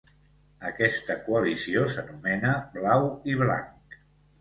Aquesta coalició s'anomena Blau i Blanc.